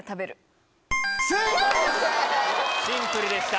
シンプルでした。